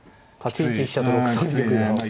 ８一飛車と６三玉が。